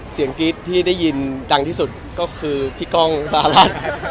กรี๊ดที่ได้ยินดังที่สุดก็คือพี่ก้องฟ้าราช